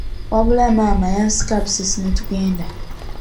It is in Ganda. Wabula maama ye yansikabusisi ne tugenda.